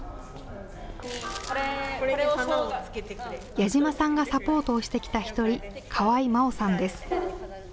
矢島さんがサポートをしてきた１人、川合真生さんです。